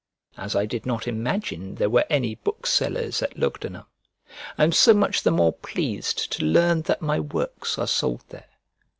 As I did not imagine there were any booksellers at Lugdunum, I am so much the more pleased to learn that my works are sold there.